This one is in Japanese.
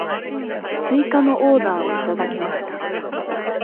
追加のオーダーをいただきました。